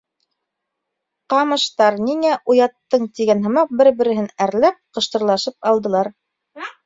Ҡамыштар: «Ниңә уяттың?» - тигән һымаҡ, бер-береһен әрләп, ҡыштырлашып алдылар.